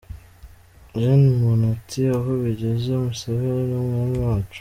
Gen Muntu ati “Aho bigeze Museveni ni Umwani wacu”.